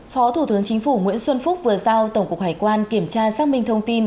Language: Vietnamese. phó thủ tướng chính phủ nguyễn xuân phúc vừa giao tổng cục hải quan kiểm tra xác minh thông tin